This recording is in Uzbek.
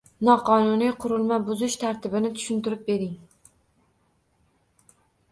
Noqonuniy qurilma buzish tartibini tushuntirib bering?